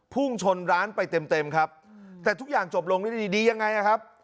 พุ่งชนร้านไปเต็มครับแต่ทุกอย่างจบลงได้ดียังไงครับ